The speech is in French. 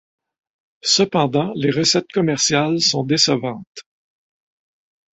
Cependant les recettes commerciales sont décevantes.